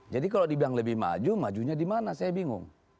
jadi kalau dibilang lebih maju majunya di mana saya bingung